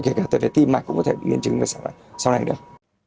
kể cả tầm tầm tìm mạch cũng có thể biến chứng về sau này được